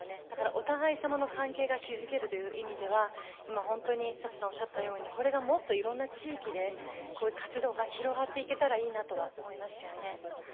だからお互いさまの関係が築けるという意味では今本当に佐藤さんおっしゃったようにこれがもっといろんな地域でこういう活動が広がっていけたらいいなとは思いますよね。